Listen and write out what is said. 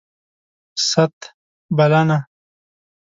ست ... بلنه